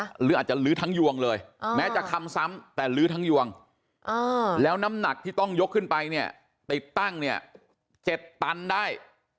หรืออาจจะลื้อทั้งยวงเลยแม้จะคำซ้ำแต่ลื้อทั้งยวงแล้วน้ำหนักที่ต้องยกขึ้นไปเนี่ยติดตั้งเนี่ย๗ตันได้